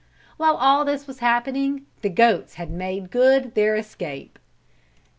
While all this was happening the goats had made good their escape.